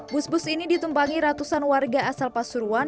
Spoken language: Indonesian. bus bus ini ditumpangi ratusan warga asal pasuruan